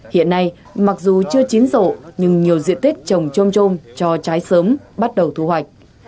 hiện nay mặc dù chưa chín rộ nhưng nhiều diện tích trồng trôm trôm cho trái sớm bắt đầu thu hoạch